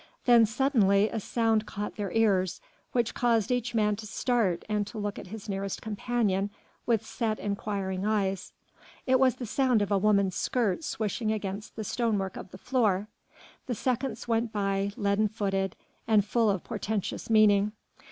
Then suddenly a sound caught their ears, which caused each man to start and to look at his nearest companion with set inquiring eyes; it was the sound of a woman's skirt swishing against the stone work of the floor. The seconds went by leaden footed and full of portentous meaning.